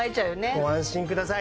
ご安心ください